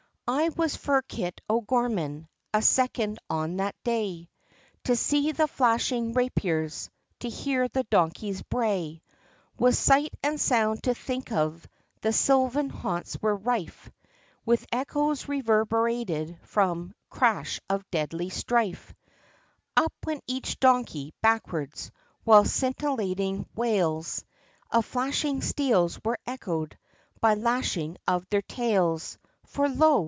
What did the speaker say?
I was for Kit O'Gorman a second on that day, To see the flashing rapiers, to hear the donkeys bray Was sight and sound to think of, the sylvan haunts were rife With echoes reverbrated from crash of deadly strife; Up went each donkey backwards, while scintillating wales Of flashing steels, were echoed, by lashing of their tails, For lo!